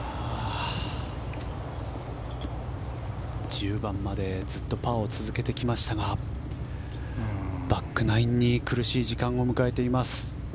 １０番までずっとパーを続けてきましたがバックナインに苦しい時間を迎えています。